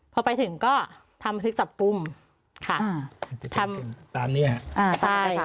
พอไปถึงก็ทำบันทึกจับกุมค่ะอ่าทำตามเนี้ยฮะอ่าใช่